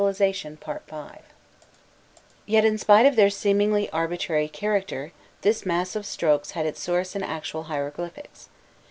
jpg Page Image] Yet, in spite of their seemingly arbitrary character, this mass of strokes had its source in actual hieroglyphs.